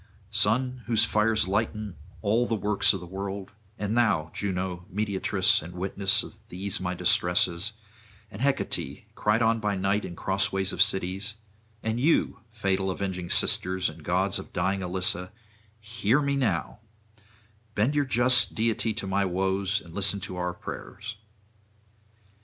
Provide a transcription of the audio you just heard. Sun, whose fires lighten all the works of the world, and thou, Juno, mediatress and witness of these my distresses, and Hecate, cried on by night in crossways of cities, and you, fatal avenging sisters and gods of dying Elissa, hear me now; bend your just deity to my woes, and listen to our prayers.